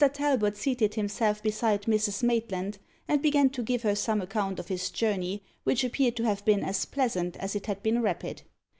Talbot seated himself beside Mrs. Maitland, and began to give her some account of his journey, which appeared to have been as pleasant as it had been rapid.